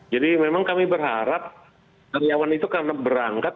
jadi memang kami berharap karyawan itu karena berangkat